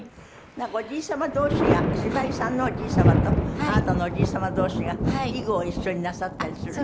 なんかおじい様同士がひばりさんのおじい様とあなたのおじい様同士が囲碁を一緒になさったりする。